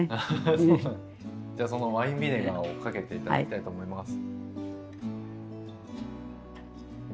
じゃあそのワインビネガーをかけて頂きたいと思います。